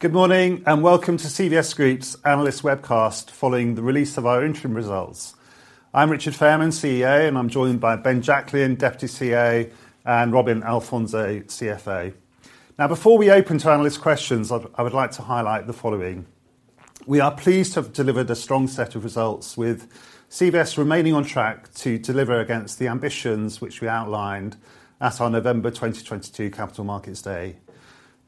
Good morning, and welcome to CVS Group's analyst webcast following the release of our interim results. I'm Richard Fairman, CEO, and I'm joined by Ben Jacklin, Deputy CEO, and Robin Alfonso, CFO. Now, before we open to analyst questions, I would like to highlight the following. We are pleased to have delivered a strong set of results, with CVS remaining on track to deliver against the ambitions which we outlined at our November 2022 Capital Markets Day.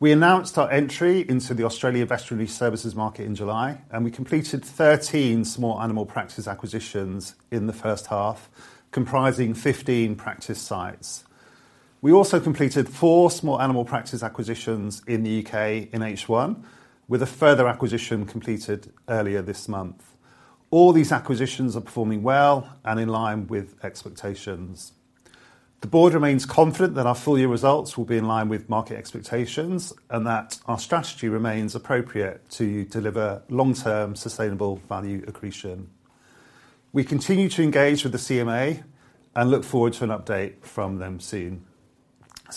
We announced our entry into the Australian veterinary services market in July, and we completed 13 small animal practice acquisitions in the first half, comprising 15 practice sites. We also completed four small animal practice acquisitions in the U.K. in H1, with a further acquisition completed earlier this month. All these acquisitions are performing well and in line with expectations. The board remains confident that our full year results will be in line with market expectations, and that our strategy remains appropriate to deliver long-term sustainable value accretion. We continue to engage with the CMA and look forward to an update from them soon.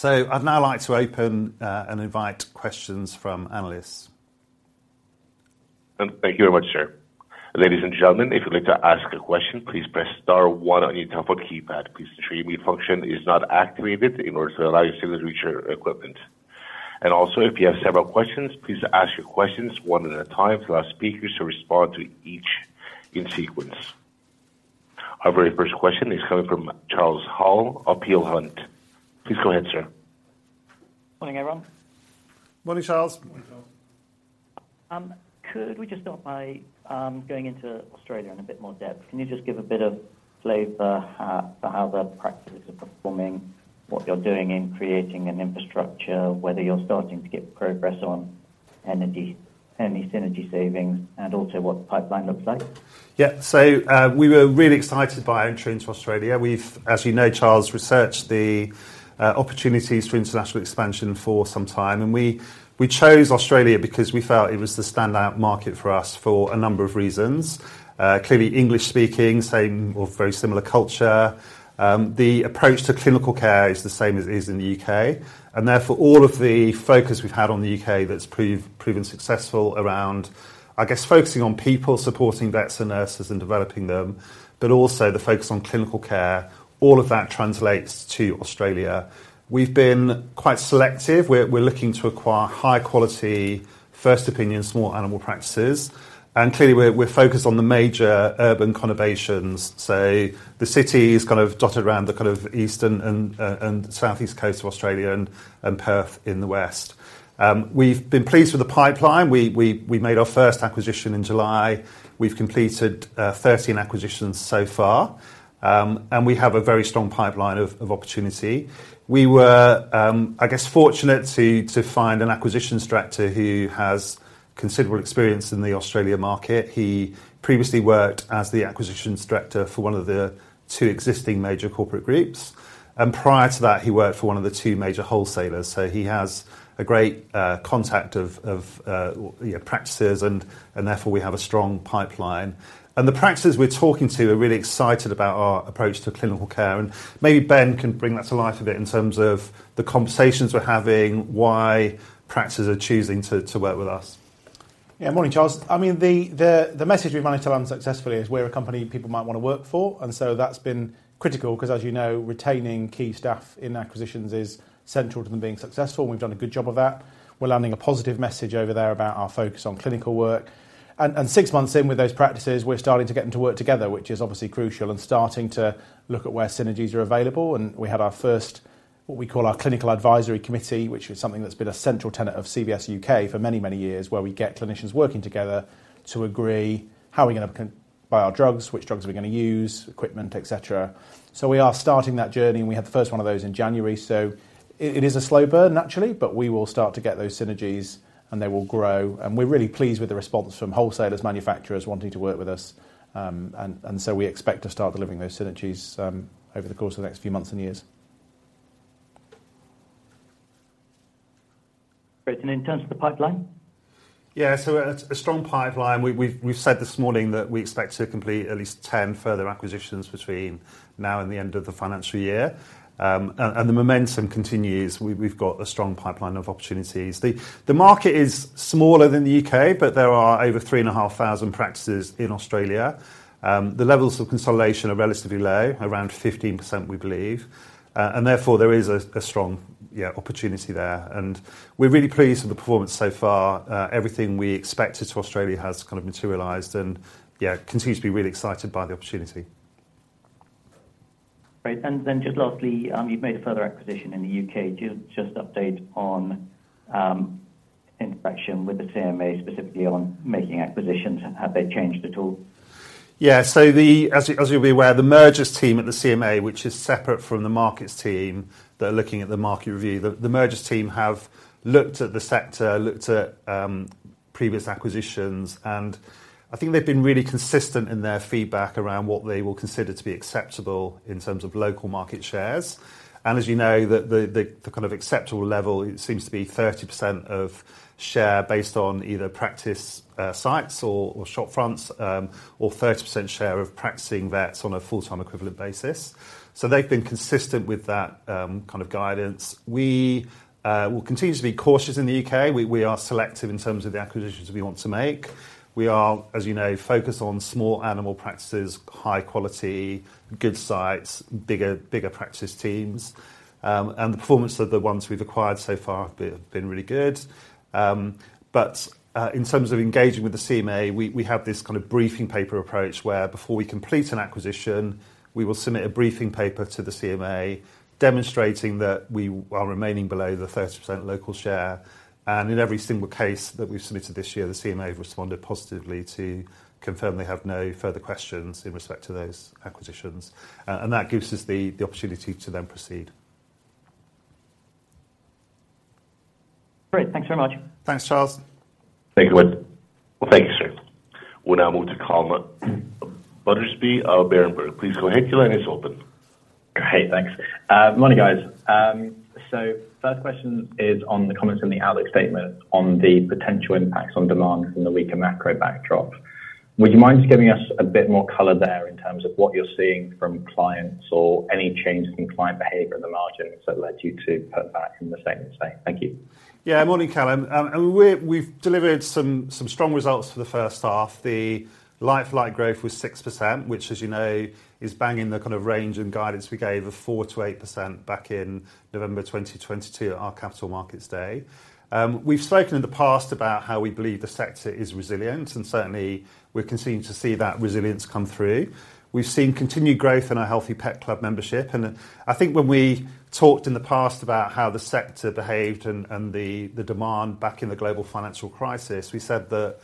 I'd now like to open and invite questions from analysts. Thank you very much, sir. Ladies and gentlemen, if you'd like to ask a question, please press star one on your telephone keypad. Please ensure your mute function is not activated in order to allow you to reach your equipment. And also, if you have several questions, please ask your questions one at a time to allow speakers to respond to each in sequence. Our very first question is coming from Charles Hall, Peel Hunt. Please go ahead, sir. Morning, everyone. Morning, Charles. Morning, Charles. Could we just start by going into Australia in a bit more depth? Can you just give a bit of flavor for how the practices are performing, what you're doing in creating an infrastructure, whether you're starting to get progress on energy, any synergy savings, and also what the pipeline looks like? Yeah. So, we were really excited by our entry into Australia. We've, as you know, Charles, researched the, opportunities for international expansion for some time, and we chose Australia because we felt it was the standout market for us for a number of reasons. Clearly English speaking, same or very similar culture. The approach to clinical care is the same as it is in the U.K.. And therefore, all of the focus we've had on the U.K. that's proven successful around, I guess, focusing on people, supporting vets and nurses, and developing them, but also the focus on clinical care. All of that translates to Australia. We've been quite selective. We're looking to acquire high-quality, first-opinion small animal practices, and clearly, we're focused on the major urban conurbations. So the city is kind of dotted around the kind of east and southeast coast of Australia and Perth in the west. We've been pleased with the pipeline. We made our first acquisition in July. We've completed 13 acquisitions so far. And we have a very strong pipeline of opportunity. We were, I guess, fortunate to find an acquisitions director who has considerable experience in the Australia market. He previously worked as the acquisitions director for one of the two existing major corporate groups, and prior to that, he worked for one of the two major wholesalers. So he has a great contact of yeah practices, and therefore, we have a strong pipeline. The practices we're talking to are really excited about our approach to clinical care, and maybe Ben can bring that to life a bit in terms of the conversations we're having, why practices are choosing to work with us. Yeah. Morning, Charles. I mean, the message we've managed to run successfully is we're a company people might wanna work for, and so that's been critical, 'cause as you know, retaining key staff in acquisitions is central to them being successful, and we've done a good job of that. We're landing a positive message over there about our focus on clinical work. And six months in with those practices, we're starting to get them to work together, which is obviously crucial, and starting to look at where synergies are available. And we had our first, what we call our Clinical Advisory Committee, which is something that's been a central tenet of CVS U.K. for many, many years, where we get clinicians working together to agree how are we gonna buy our drugs, which drugs are we gonna use, equipment, et cetera. So we are starting that journey, and we had the first one of those in January. So it is a slow burn, naturally, but we will start to get those synergies, and they will grow, and we're really pleased with the response from wholesalers, manufacturers wanting to work with us. And so we expect to start delivering those synergies, over the course of the next few months and years. Great. And in terms of the pipeline? Yeah, so a strong pipeline. We've said this morning that we expect to complete at least 10 further acquisitions between now and the end of the financial year. And the momentum continues. We've got a strong pipeline of opportunities. The market is smaller than the U.K., but there are over 3,500 practices in Australia. The levels of consolidation are relatively low, around 15%, we believe. And therefore, there is a strong opportunity there, and we're really pleased with the performance so far. Everything we expected to Australia has kind of materialized, and continue to be really excited by the opportunity. Great. And then, just lastly, you've made a further acquisition in the U.K.. Do you just update on interaction with the CMA, specifically on making acquisitions? Have they changed at all? Yeah. So as you'll be aware, the mergers team at the CMA, which is separate from the markets team, they're looking at the market review. The mergers team have looked at the sector, looked at previous acquisitions, and I think they've been really consistent in their feedback around what they will consider to be acceptable in terms of local market shares. And as you know, the kind of acceptable level, it seems to be 30% of share based on either practice sites or shop fronts, or 30% share of practicing vets on a full-time equivalent basis. So they've been consistent with that kind of guidance. We will continue to be cautious in the U.K.. We are selective in terms of the acquisitions we want to make. We are, as you know, focused on small animal practices, high quality, good sites, bigger, bigger practice teams. The performance of the ones we've acquired so far have been really good. But in terms of engaging with the CMA, we have this kind of briefing paper approach, where before we complete an acquisition, we will submit a briefing paper to the CMA, demonstrating that we are remaining below the 30% local share. And in every single case that we've submitted this year, the CMA have responded positively to confirm they have no further questions in respect to those acquisitions. That gives us the opportunity to then proceed. Great, thanks very much. Thanks, Charles. Thank you, Ed. Well, thank you, sir. We'll now move to Calum Battersby of Berenberg. Please go ahead. Your line is open. Great, thanks. Morning, guys. First question is on the comments in the outlook statement on the potential impacts on demand in the weaker macro backdrop. Would you mind just giving us a bit more color there in terms of what you're seeing from clients or any changes in client behavior in the margins that led you to pull back in the same way? Thank you. Yeah, morning, Callum. We've delivered some strong results for the first half. The Like-for-like growth was 6%, which, as you know, is bang in the kind of range and guidance we gave of 4%-8% back in November 2022 at our Capital Markets Day. We've spoken in the past about how we believe the sector is resilient, and certainly we continue to see that resilience come through. We've seen continued growth in our Healthy Pet Club membership, and I think when we talked in the past about how the sector behaved and the demand back in the global financial crisis, we said that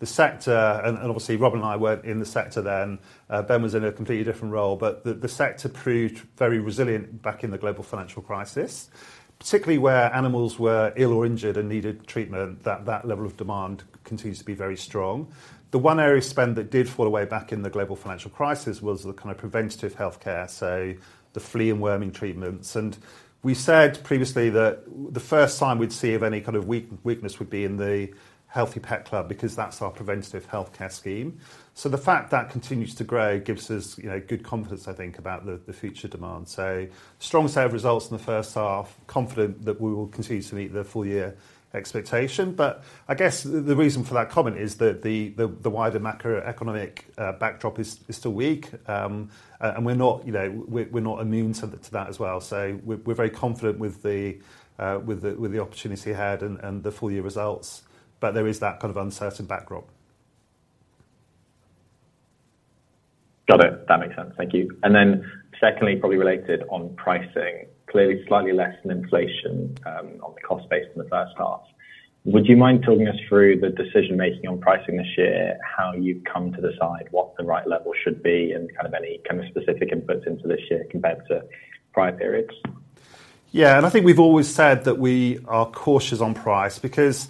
the sector, and obviously, Robin and I weren't in the sector then. Ben was in a completely different role, but the sector proved very resilient back in the global financial crisis, particularly where animals were ill or injured and needed treatment. That level of demand continues to be very strong. The one area of spend that did fall away back in the global financial crisis was the kind of preventative healthcare, so the flea and worming treatments. We said previously that the first sign we'd see of any kind of weakness would be in the Healthy Pet Club, because that's our preventative healthcare scheme. So the fact that continues to grow gives us, you know, good confidence, I think, about the future demand. So strong set of results in the first half, confident that we will continue to meet the full year expectation. But I guess the reason for that comment is that the wider macroeconomic backdrop is still weak, and we're not, you know, we're not immune to that as well. So we're very confident with the opportunity ahead and the full year results, but there is that kind of uncertain backdrop. Got it. That makes sense. Thank you. And then secondly, probably related on pricing, clearly slightly less than inflation, on the cost base in the first half. Would you mind talking us through the decision making on pricing this year, how you've come to decide what the right level should be, and kind of any kind of specific inputs into this year compared to prior periods? Yeah, and I think we've always said that we are cautious on price because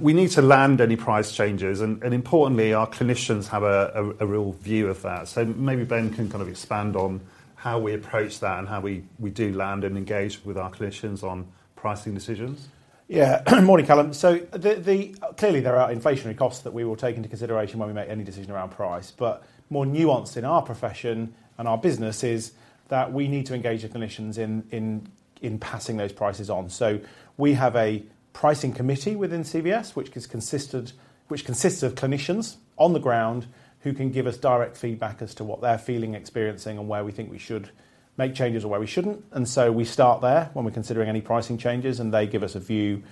we need to land any price changes, and importantly, our clinicians have a real view of that. So maybe Ben can kind of expand on how we approach that and how we do land and engage with our clinicians on pricing decisions. Yeah. Morning, Callum. So clearly, there are inflationary costs that we will take into consideration when we make any decision around price, but more nuanced in our profession and our business is that we need to engage the clinicians in passing those prices on. So we have a pricing committee within CVS, which is consisted, which consists of clinicians on the ground who can give us direct feedback as to what they're feeling, experiencing, and where we think we should make changes or where we shouldn't. And so we start there when we're considering any pricing changes, and they give us a view,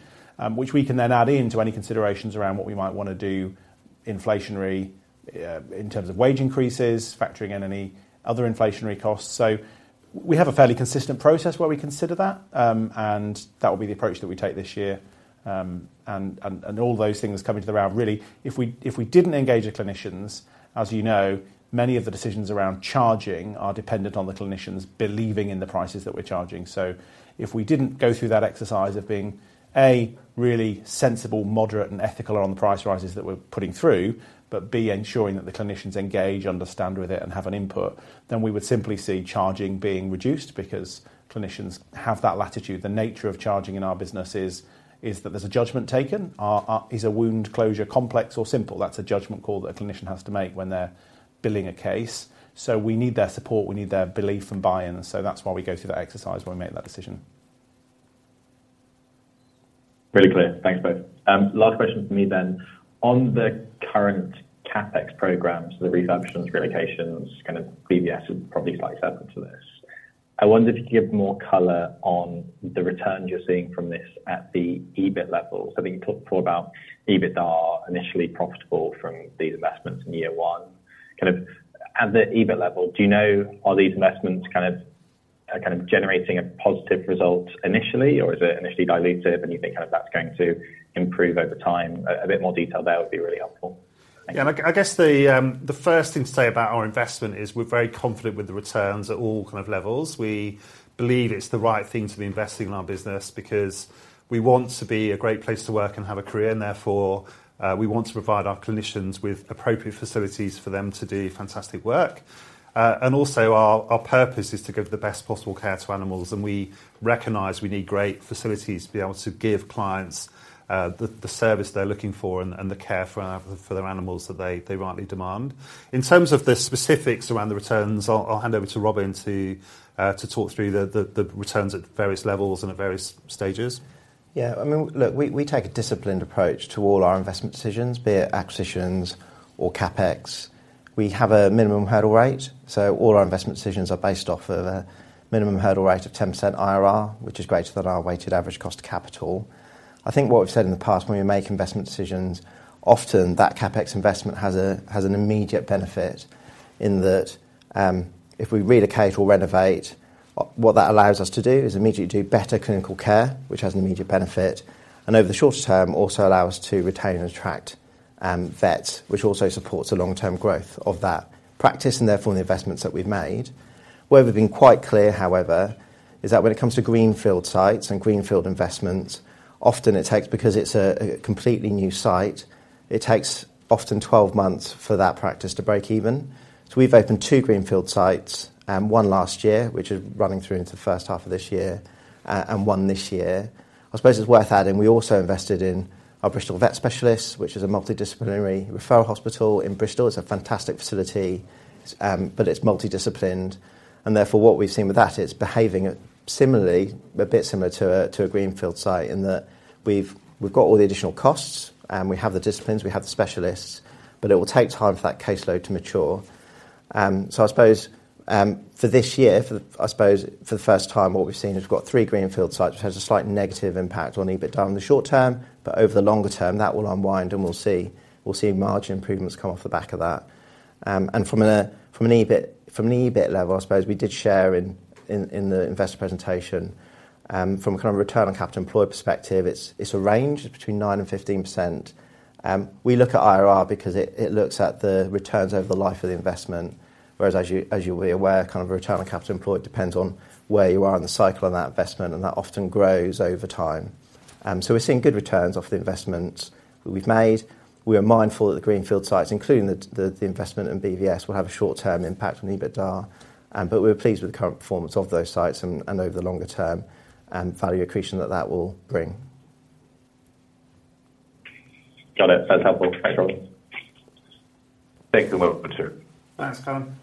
which we can then add into any considerations around what we might wanna do inflationary, in terms of wage increases, factoring in any other inflationary costs. So we have a fairly consistent process where we consider that, and that will be the approach that we take this year. And all those things coming to the round, really, if we didn't engage the clinicians, as you know, many of the decisions around charging are dependent on the clinicians believing in the prices that we're charging. So if we didn't go through that exercise of being, A, really sensible, moderate, and ethical on the price rises that we're putting through, but B, ensuring that the clinicians engage, understand with it, and have an input, then we would simply see charging being reduced because clinicians have that latitude. The nature of charging in our business is that there's a judgment taken. Are, is a wound closure complex or simple? That's a judgment call that a clinician has to make when they're billing a case. So we need their support, we need their belief and buy-in, so that's why we go through that exercise when we make that decision. Really clear. Thanks, both. Last question from me then. On the current CapEx programs, the refurbishments, relocations, kind of CVS is probably slightly relevant to this. I wonder if you could give more color on the return you're seeing from this at the EBIT level. So I think you talked about EBIT are initially profitable from these investments in year one. Kind of at the EBIT level, do you know, are these investments kind of, kind of generating a positive result initially, or is it initially dilutive, and you think kind of that's going to improve over time? A bit more detail there would be really helpful.... Yeah, and I, I guess the first thing to say about our investment is we're very confident with the returns at all kind of levels. We believe it's the right thing to be investing in our business because we want to be a great place to work and have a career, and therefore, we want to provide our clinicians with appropriate facilities for them to do fantastic work. And also, our purpose is to give the best possible care to animals, and we recognize we need great facilities to be able to give clients the service they're looking for and the care for their animals that they rightly demand. In terms of the specifics around the returns, I'll hand over to Robin to talk through the returns at various levels and at various stages. Yeah. I mean, look, we take a disciplined approach to all our investment decisions, be it acquisitions or CapEx. We have a minimum hurdle rate, so all our investment decisions are based off of a minimum hurdle rate of 10% IRR, which is greater than our weighted average cost of capital. I think what we've said in the past, when we make investment decisions, often that CapEx investment has an immediate benefit in that, if we relocate or renovate, what that allows us to do is immediately do better clinical care, which has an immediate benefit, and over the shorter term, also allow us to retain and attract vets, which also supports the long-term growth of that practice and therefore the investments that we've made. Where we've been quite clear, however, is that when it comes to greenfield sites and greenfield investments, often it takes, because it's a completely new site, 12 months for that practice to break even. So we've opened two greenfield sites, one last year, which is running through into the first half of this year, and one this year. I suppose it's worth adding, we also invested in our Bristol Vet Specialists, which is a multidisciplinary referral hospital in Bristol. It's a fantastic facility, but it's multidisciplined, and therefore, what we've seen with that, it's behaving similarly, a bit similar to a greenfield site, in that we've got all the additional costs, and we have the disciplines, we have the specialists, but it will take time for that caseload to mature. So I suppose, for this year, for the first time, what we've seen is we've got three greenfield sites, which has a slight negative impact on EBITDA in the short term, but over the longer term, that will unwind, and we'll see margin improvements come off the back of that. And from an EBIT level, I suppose we did share in the investor presentation, from a kind of return on capital employed perspective, it's a range. It's between 9% and 15%. We look at IRR because it looks at the returns over the life of the investment, whereas as you'll be aware, kind of return on capital employed depends on where you are in the cycle of that investment, and that often grows over time. So we're seeing good returns off the investments we've made. We are mindful that the greenfield sites, including the investment in BVS, will have a short-term impact on EBITDA, but we're pleased with the current performance of those sites and over the longer term, and value accretion that will bring. Got it. That's helpful. Thanks, Robin. Thank you very much, sir. Thanks, Colin.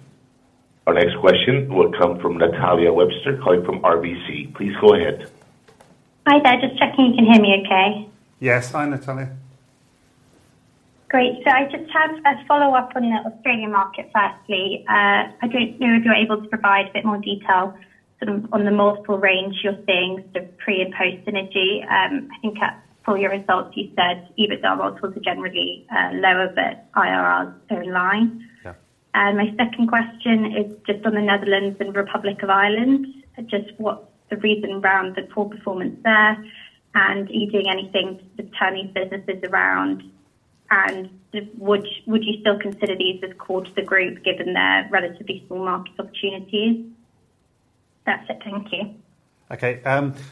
Our next question will come from Natalia Webster, calling from RBC. Please go ahead. Hi there. Just checking you can hear me okay? Yes. Fine, Natasha. Great. So I just had a follow-up on the Australian market, firstly. I don't know if you're able to provide a bit more detail sort of on the multiple range you're seeing, sort of pre- and post-synergy. I think at full year results, you said EBITDA multiples are generally lower, but IRRs are in line. Yeah. My second question is just on the Netherlands and Republic of Ireland. Just what's the reason around the poor performance there, and are you doing anything to turn these businesses around? Would you still consider these as core to the group, given their relatively small market opportunities? That's it. Thank you. Okay,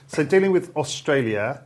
so dealing with Australia,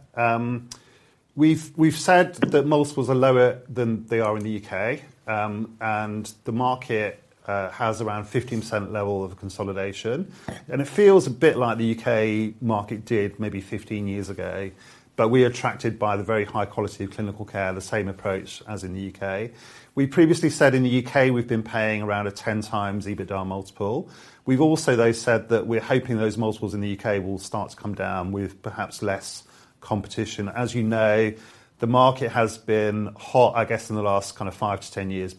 we've said that multiples are lower than they are in the U.K., and the market has around 15% level of consolidation, and it feels a bit like the U.K. market did maybe 15 years ago, but we are attracted by the very high quality of clinical care, the same approach as in the U.K. We previously said in the U.K. we've been paying around a 10x EBITDA multiple. We've also, though, said that we're hoping those multiples in the U.K. will start to come down with perhaps less competition. As you know, the market has been hot, I guess, in the last kind of five to ten years,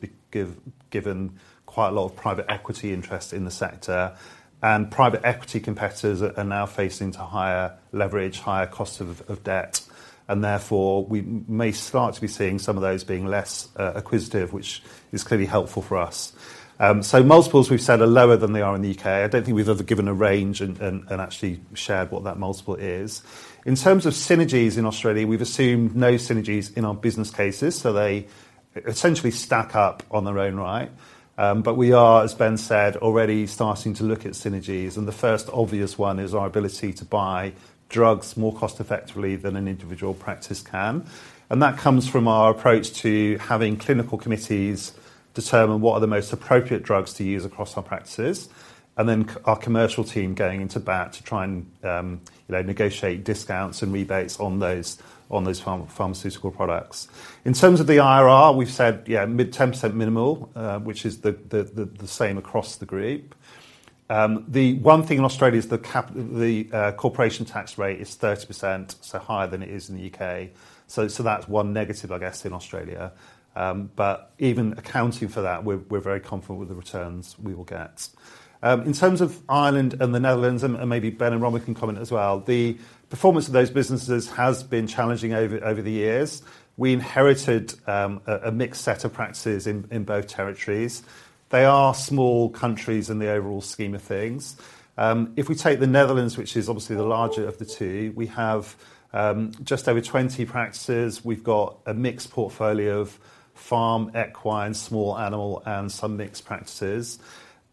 given quite a lot of private equity interest in the sector, and private equity competitors are now facing higher leverage, higher costs of debt, and therefore, we may start to be seeing some of those being less acquisitive, which is clearly helpful for us. So multiples, we've said, are lower than they are in the U.K.. I don't think we've ever given a range and actually shared what that multiple is. In terms of synergies in Australia, we've assumed no synergies in our business cases, so they essentially stack up on their own right, but we are, as Ben said, already starting to look at synergies, and the first obvious one is our ability to buy drugs more cost-effectively than an individual practice can. That comes from our approach to having clinical committees determine what are the most appropriate drugs to use across our practices, and then our commercial team going into bat to try and, you know, negotiate discounts and rebates on those, on those pharmaceutical products. In terms of the IRR, we've said, yeah, mid-10% minimal, which is the same across the group. The one thing in Australia is the corporation tax rate is 30%, so higher than it is in the U.K.. That's one negative, I guess, in Australia. But even accounting for that, we're very confident with the returns we will get. In terms of Ireland and the Netherlands, maybe Ben and Robin can comment as well, the performance of those businesses has been challenging over the years. We inherited a mixed set of practices in both territories. They are small countries in the overall scheme of things. If we take the Netherlands, which is obviously the larger of the two, we have just over 20 practices. We've got a mixed portfolio of farm, equine, small animal, and some mixed practices,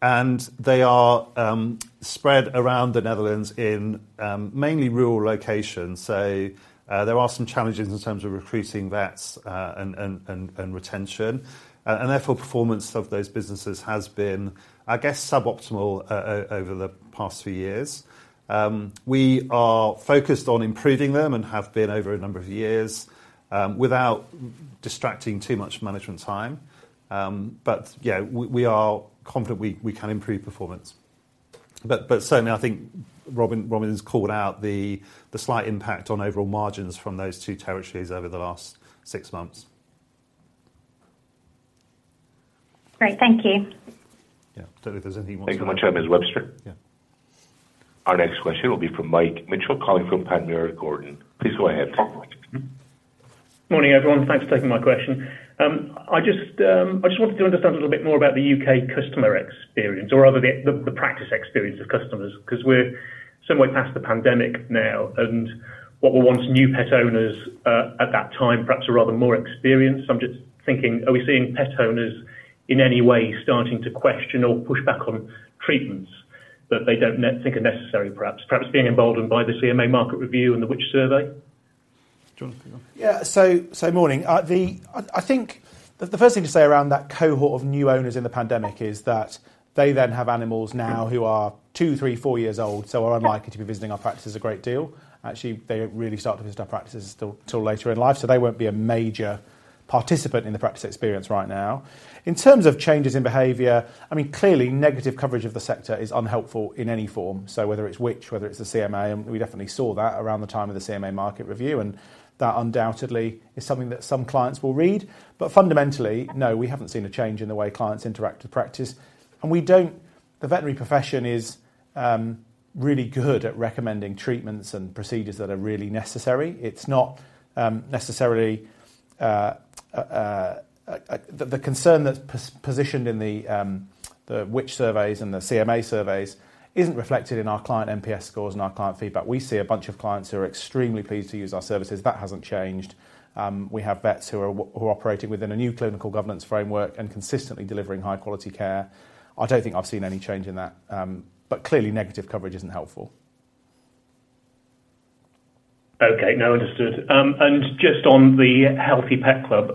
and they are spread around the Netherlands in mainly rural locations. So, there are some challenges in terms of recruiting vets, and retention, and therefore, performance of those businesses has been, I guess, suboptimal over the past few years. We are focused on improving them and have been over a number of years, without distracting too much management time. But yeah, we are confident we can improve performance. But certainly, I think Robin has called out the slight impact on overall margins from those two territories over the last six months. Great. Thank you. Yeah. Don't know if there's anything you want to- Thank you very much, Ms. Webster. Yeah. Our next question will be from Mike Mitchell calling from Panmure Gordon. Please go ahead, Mike. Morning, everyone. Thanks for taking my question. I just, I just wanted to understand a little bit more about the U.K. customer experience, or rather, the, the practice experience of customers, 'cause we're somewhere past the pandemic now, and what were once new pet owners, at that time, perhaps are rather more experienced. I'm just thinking, are we seeing pet owners in any way starting to question or push back on treatments that they don't think are necessary, perhaps, perhaps being emboldened by the CMA market review and the Which? survey? Jonathan? Yeah. So, morning. I think the first thing to say around that cohort of new owners in the pandemic is that they then have animals now who are two, three, four years old, so are unlikely to be visiting our practices a great deal. Actually, they don't really start to visit our practices till later in life, so they won't be a major participant in the practice experience right now. In terms of changes in behavior, I mean, clearly, negative coverage of the sector is unhelpful in any form. So whether it's Which?, whether it's the CMA, and we definitely saw that around the time of the CMA market review, and that undoubtedly is something that some clients will read. But fundamentally, no, we haven't seen a change in the way clients interact with practice, and we don't-- The veterinary profession is really good at recommending treatments and procedures that are really necessary. It's not necessarily... The concern that's positioned in the Which? surveys and the CMA surveys isn't reflected in our client NPS scores and our client feedback. We see a bunch of clients who are extremely pleased to use our services. That hasn't changed. We have vets who are operating within a new clinical governance framework and consistently delivering high-quality care. I don't think I've seen any change in that, but clearly, negative coverage isn't helpful. Okay. No, understood. And just on the Healthy Pet Club,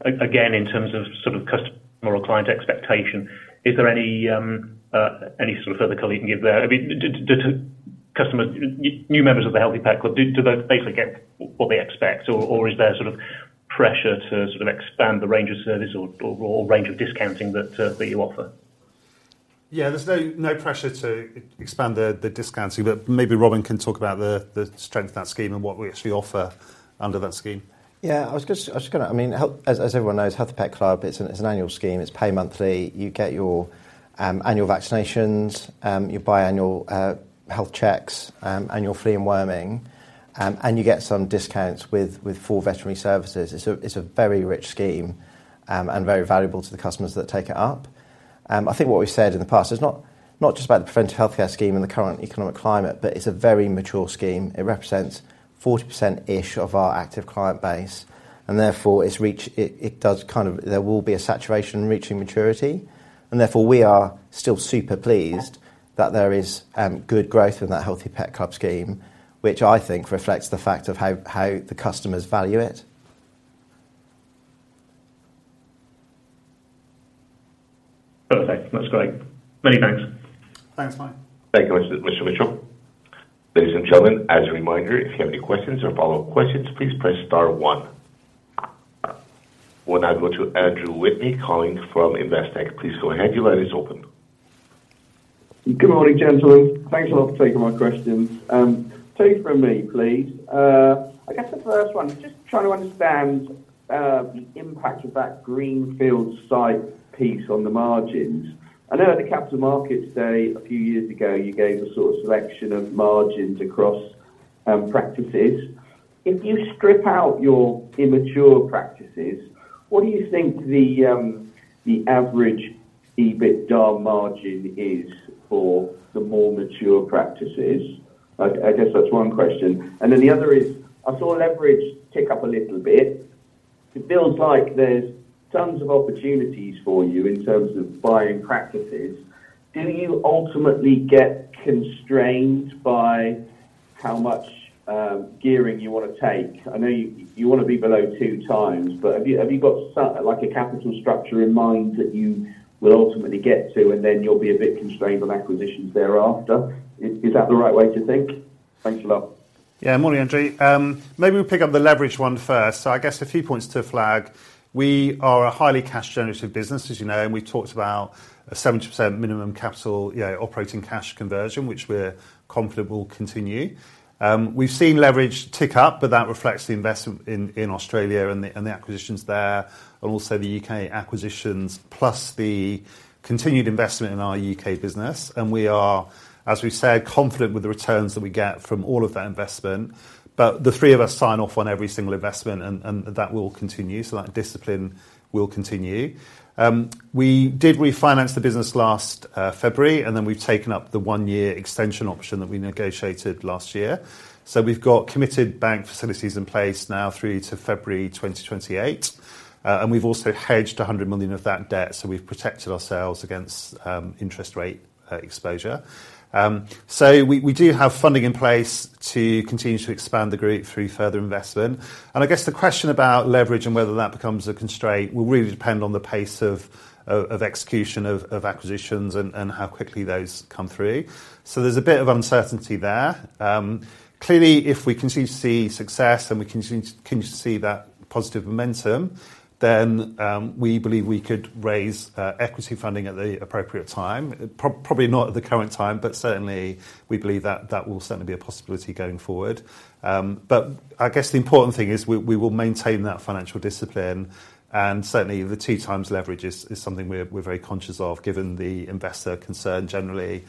again, in terms of sort of customer or client expectation, is there any sort of further color you can give there? I mean, do customers, new members of the Healthy Pet Club, do they basically get what they expect, or is there sort of pressure to sort of expand the range of service or range of discounting that that you offer? Yeah, there's no pressure to expand the discounting, but maybe Robin can talk about the strength of that scheme and what we actually offer under that scheme. Yeah, I was just gonna... I mean, as everyone knows, Healthy Pet Club, it's an annual scheme. It's pay monthly. You get your annual vaccinations, your biannual health checks, annual flea and worming, and you get some discounts with full veterinary services. It's a very rich scheme, and very valuable to the customers that take it up. I think what we've said in the past, it's not just about the preventive healthcare scheme and the current economic climate, but it's a very mature scheme. It represents 40%-ish of our active client base, and therefore, its reach, it does kind of—there will be a saturation reaching maturity, and therefore, we are still super pleased that there is good growth in that Healthy Pet Club scheme, which I think reflects the fact of how the customers value it. Perfect. That's great. Many thanks. Thanks, Mike. Thank you, Mr. Mitchell. Ladies and gentlemen, as a reminder, if you have any questions or follow-up questions, please press star one. We'll now go to Andrew Whitney calling from Investec. Please go ahead. Your line is open. Good morning, gentlemen. Thanks a lot for taking my questions. Two from me, please. I guess the first one, just trying to understand the impact of that Greenfield site piece on the margins. I know at the Capital Markets Day a few years ago, you gave a sort of selection of margins across practices. If you strip out your immature practices, what do you think the average EBITDA margin is for the more mature practices? I guess that's one question. And then the other is, I saw leverage tick up a little bit. It feels like there's tons of opportunities for you in terms of buying practices. Do you ultimately get constrained by how much gearing you want to take? I know you want to be below two times, but have you got some, like, a capital structure in mind that you will ultimately get to, and then you'll be a bit constrained on acquisitions thereafter? Is that the right way to think? Thanks a lot.... Yeah, morning, Andrew. Maybe we'll pick up the leverage one first. So I guess a few points to flag. We are a highly cash-generative business, as you know, and we talked about a 70% minimum capital, yeah, operating cash conversion, which we're confident will continue. We've seen leverage tick up, but that reflects the investment in Australia and the acquisitions there, and also the U.K. acquisitions, plus the continued investment in our U.K. business. And we are, as we've said, confident with the returns that we get from all of that investment. But the three of us sign off on every single investment, and that will continue, so that discipline will continue. We did refinance the business last February, and then we've taken up the one-year extension option that we negotiated last year. So we've got committed bank facilities in place now through to February 2028. And we've also hedged 100 million of that debt, so we've protected ourselves against interest rate exposure. So we do have funding in place to continue to expand the group through further investment. And I guess the question about leverage and whether that becomes a constraint will really depend on the pace of execution of acquisitions and how quickly those come through. So there's a bit of uncertainty there. Clearly, if we continue to see success and we continue to see that positive momentum, then we believe we could raise equity funding at the appropriate time. Probably not at the current time, but certainly, we believe that that will certainly be a possibility going forward. But I guess the important thing is we will maintain that financial discipline, and certainly, the 2x leverage is something we're very conscious of, given the investor concern generally,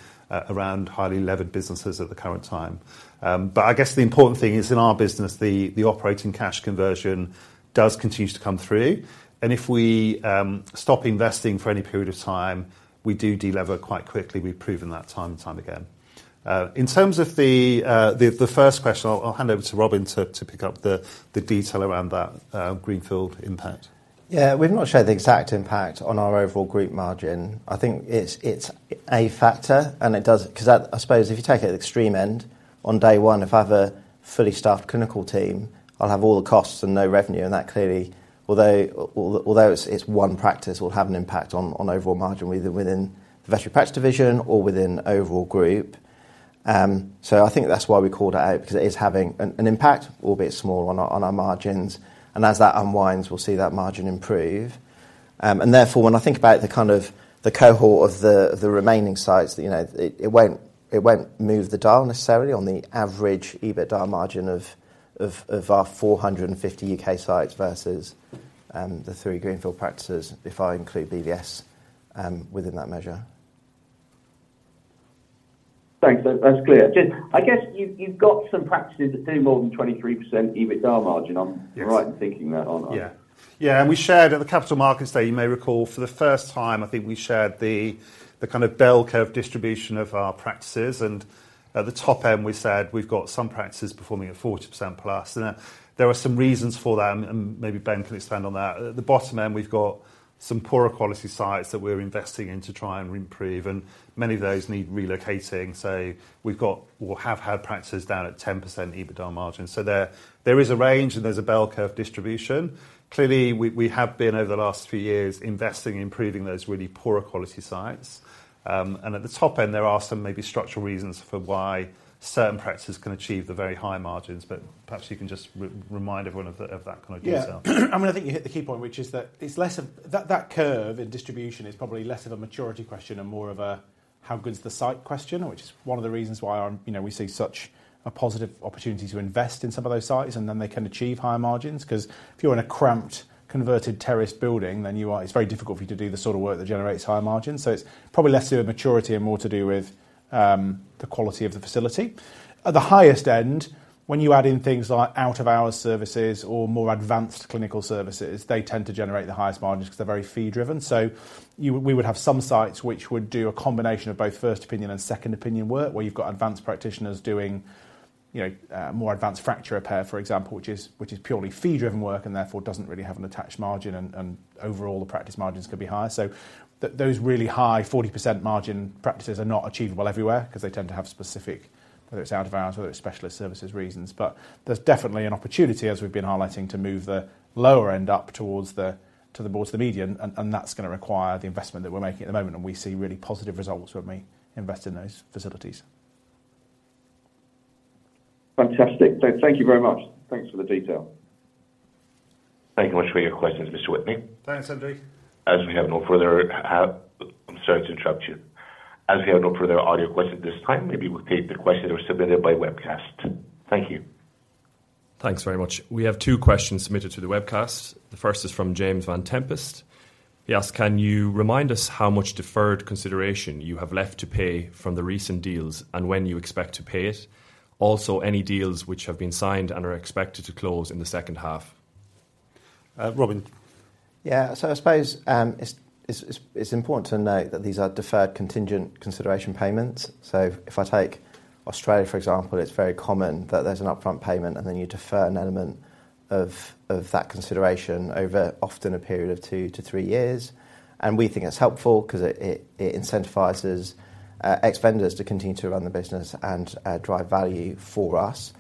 around highly levered businesses at the current time. But I guess the important thing is, in our business, the operating cash conversion does continue to come through, and if we stop investing for any period of time, we do delever quite quickly. We've proven that time and time again. In terms of the first question, I'll hand over to Robin to pick up the detail around that Greenfield impact. Yeah, we've not shared the exact impact on our overall group margin. I think it's a factor, and it does 'cause I suppose if you take it at extreme end, on day one, if I have a fully staffed clinical team, I'll have all the costs and no revenue, and that clearly, although it's one practice, will have an impact on overall margin, whether within the veterinary practice division or within the overall group. So I think that's why we called it out, because it is having an impact, albeit small, on our margins, and as that unwinds, we'll see that margin improve. And therefore, when I think about the kind of the cohort of the remaining sites, you know, it won't move the dial necessarily on the average EBITDA margin of our 450 U.K. sites versus the three Greenfield practices, if I include BVS within that measure. Thanks. That's clear. Just, I guess, you've got some practices that do more than 23% EBITDA margin- Yes. -I'm right in thinking that, aren't I? Yeah. Yeah, and we shared at the Capital Markets Day, you may recall, for the first time, I think we shared the kind of bell curve distribution of our practices, and at the top end, we said we've got some practices performing at 40%+. And there are some reasons for that, and maybe Ben can expand on that. At the bottom end, we've got some poorer quality sites that we're investing in to try and improve, and many of those need relocating. So we've got or have had practices down at 10% EBITDA margin. So there is a range, and there's a bell curve distribution. Clearly, we have been, over the last few years, investing in improving those really poorer quality sites. At the top end, there are some maybe structural reasons for why certain practices can achieve the very high margins, but perhaps you can just remind everyone of that kind of detail. Yeah. I mean, I think you hit the key point, which is that it's less of a... That curve in distribution is probably less of a maturity question and more of a how good is the site question, which is one of the reasons why, you know, we see such a positive opportunity to invest in some of those sites, and then they can achieve higher margins. 'Cause if you're in a cramped, converted terraced building, then it's very difficult for you to do the sort of work that generates higher margins. So it's probably less to do with maturity and more to do with the quality of the facility. At the highest end, when you add in things like out-of-hours services or more advanced clinical services, they tend to generate the highest margins because they're very fee-driven. So, you, we would have some sites which would do a combination of both first opinion and second opinion work, where you've got advanced practitioners doing, you know, more advanced fracture repair, for example, which is purely fee-driven work and therefore doesn't really have an attached margin, and overall, the practice margins could be higher. So those really high 40% margin practices are not achievable everywhere 'cause they tend to have specific, whether it's out-of-hours or whether it's specialist services reasons. But there's definitely an opportunity, as we've been highlighting, to move the lower end up towards the median, and that's gonna require the investment that we're making at the moment, and we see really positive results from invest in those facilities. Fantastic. Thank you very much. Thanks for the detail. Thank you very much for your questions, Mr. Whitney. Thanks, Andrew. As we have no further... I'm sorry to interrupt you. As we have no further audio questions at this time, maybe we'll take the questions that were submitted by webcast. Thank you. Thanks very much. We have two questions submitted to the webcast. The first is from James Vane-Tempest. He asked: "Can you remind us how much deferred consideration you have left to pay from the recent deals and when you expect to pay it? Also, any deals which have been signed and are expected to close in the second half? Uh, Robin. Yeah. So I suppose it's important to note that these are deferred contingent consideration payments. So if I take Australia, for example, it's very common that there's an upfront payment, and then you defer an element of that consideration over often a period of two to three years. And we think that's helpful 'cause it incentivizes ex-vendors to continue to run the business and drive value for us.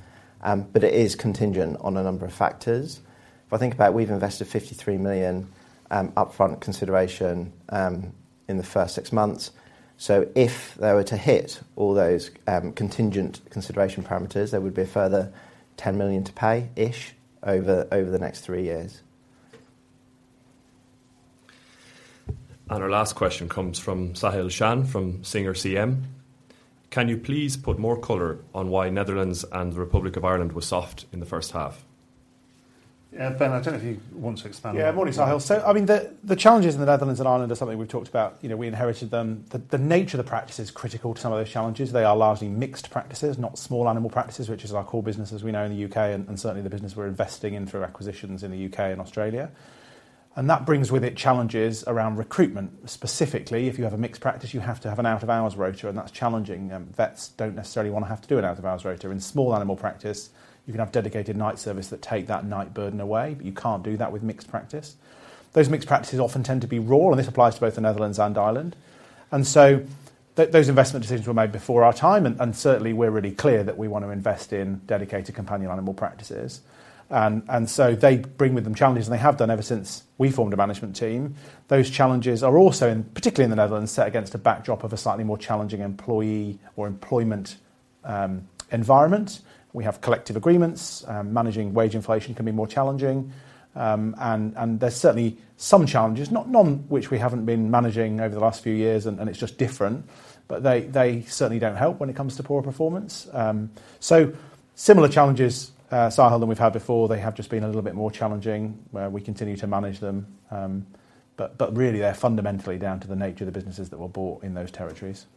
But it is contingent on a number of factors. If I think about we've invested 53 million upfront consideration in the first six months. So if they were to hit all those contingent consideration parameters, there would be a further 10 million to pay-ish over the next three years. Our last question comes from Sahil Shan from Singer CM: Can you please put more color on why Netherlands and the Republic of Ireland were soft in the first half? Ben, I don't know if you want to expand on that. Yeah, morning, Sahil. So, I mean, the challenges in the Netherlands and Ireland are something we've talked about. You know, we inherited them. The nature of the practice is critical to some of those challenges. They are largely mixed practices, not small animal practices, which is our core business, as we know, in the U.K., and certainly the business we're investing in through acquisitions in the U.K. and Australia. And that brings with it challenges around recruitment. Specifically, if you have a mixed practice, you have to have an out-of-hours rota, and that's challenging. Vets don't necessarily want to have to do an out-of-hours rota. In small animal practice, you can have dedicated night service that take that night burden away, but you can't do that with mixed practice. Those mixed practices often tend to be rural, and this applies to both the Netherlands and Ireland. So those investment decisions were made before our time, and certainly, we're really clear that we want to invest in dedicated companion animal practices. And so they bring with them challenges, and they have done ever since we formed a management team. Those challenges are also, and particularly in the Netherlands, set against a backdrop of a slightly more challenging employee or employment environment. We have collective agreements. Managing wage inflation can be more challenging. And there's certainly some challenges, none which we haven't been managing over the last few years, and it's just different. But they certainly don't help when it comes to poor performance. So similar challenges, Sahil, to we've had before. They have just been a little bit more challenging, where we continue to manage them. But really, they're fundamentally down to the nature of the businesses that were bought in those territories.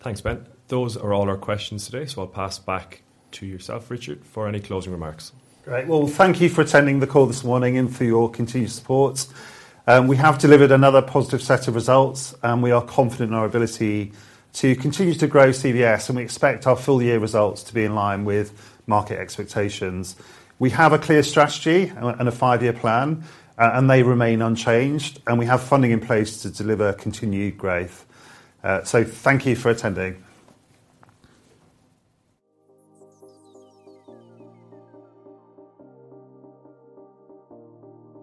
Thanks, Ben. Those are all our questions today, so I'll pass back to yourself, Richard, for any closing remarks. Great. Well, thank you for attending the call this morning and for your continued support. We have delivered another positive set of results, and we are confident in our ability to continue to grow CVS, and we expect our full year results to be in line with market expectations. We have a clear strategy and a, and a five-year plan, and they remain unchanged, and we have funding in place to deliver continued growth. So thank you for attending.